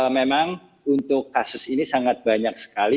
memang untuk kasus ini sangat banyak sekali